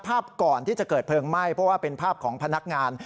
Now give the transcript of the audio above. ภาพก่อนที่จะเกิดเพลิงไหม้เพราะว่าเป็นภาพของพนักงาน